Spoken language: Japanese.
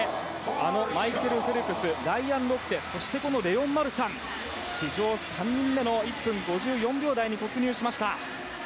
あのマイケル・フェルプスライアン・ロクテそしてレオン・マルシャン史上３人目の１分５４秒台に突入しました。